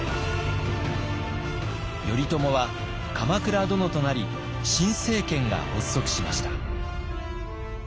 頼朝は鎌倉殿となり新政権が発足しました。